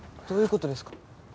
どういう事ですか？